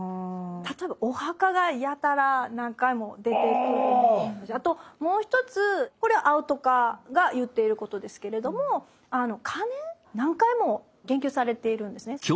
例えばお墓がやたら何回も出てきたりとかもう一つこれアウトカが言っていることですけれどもあの鐘何回もあの言及されているんですね。